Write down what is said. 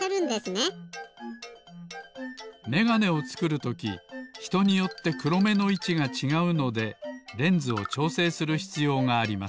めがねをつくるときひとによってくろめのいちがちがうのでレンズをちょうせいするひつようがあります。